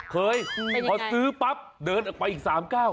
เคยพอซื้อปั๊บเดินออกไปอีก๓ก้าว